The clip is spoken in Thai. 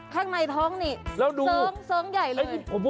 ข้างในท้องนี่เสิร์งใหญ่เลย